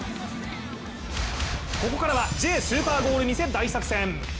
ここからは「Ｊスーパーゴール見せ大作戦」。